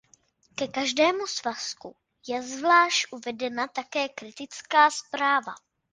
Ke každému svazku je zvlášť uvedena také kritická zpráva.